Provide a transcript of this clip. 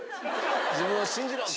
「自分を信じろ」って。